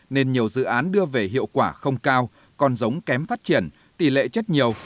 nên nhiều dự án đưa về hiệu quả không cao con giống kém phát triển tỷ lệ chất nhiều